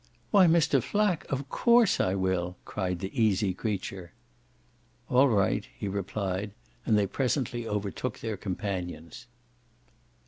"Why Mr. Flack, OF COURSE I will!" cried the easy creature. "All right," he replied; and they presently overtook their companions.